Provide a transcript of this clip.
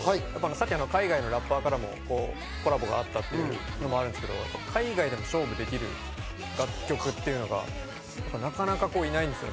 さっき海外のラッパーからもコラボがあったというのもあるんですけど、海外でも勝負できる楽曲というのが、なかなかいないんですよね。